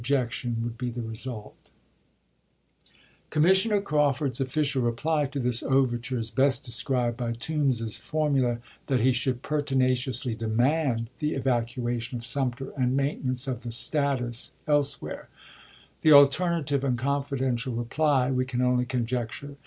jeetion would be the result> Commissioner Crawford's official reply to this overture is best described by Toombs's formula that he should " pertinaciously demand " the evacu ation of Sumter and maintenance of the " status " elsewhere; the alternative and confidential reply we can only conjecture.